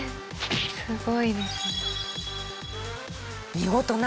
すごいですね。